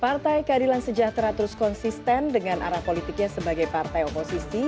partai keadilan sejahtera terus konsisten dengan arah politiknya sebagai partai oposisi